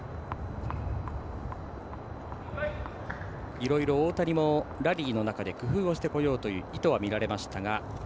いろいろ大谷もラリーの中で工夫をしてこようという意図は見られましたが。